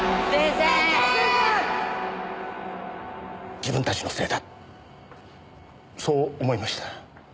自分たちのせいだそう思いました。